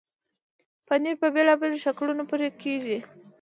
پنېر په بېلابېلو شکلونو پرې کېږي.